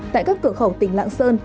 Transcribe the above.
tại các cửa khẩu tỉnh lạng sơn